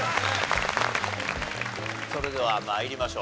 それでは参りましょう。